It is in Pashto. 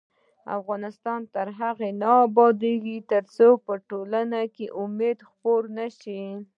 افغانستان تر هغو نه ابادیږي، ترڅو په ټولنه کې امید خپور نشي.